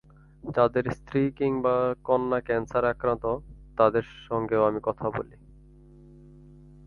যাঁদের স্ত্রী কিংবা কন্যা ক্যানসারে আক্রান্ত, তাঁদের সঙ্গেও আমি কথা বলি।